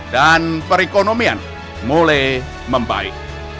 dan perekonomian mulai membaik